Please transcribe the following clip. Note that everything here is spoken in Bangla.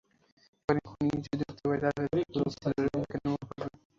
এখন খুনি যদি মুক্তি পায়, তাহলে তাঁদের পুরো পরিবারই হুমকির মুখে পড়বে।